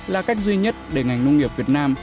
là cách duy nhất để ngành nông nghiệp việt nam